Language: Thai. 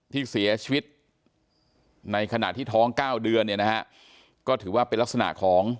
ที่เสียชีวิตในขณะที่ท้องเก้าเดือนเนี่ยนะฮะก็ถือว่าเป็นลักษณะของ